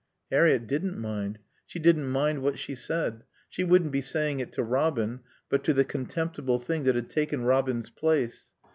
Harriett didn't mind. She didn't mind what she said. She wouldn't be saying it to Robin, but to the contemptible thing that had taken Robin's place.